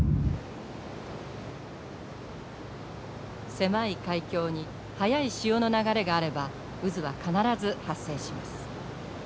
狭い海峡に速い潮の流れがあれば渦は必ず発生します。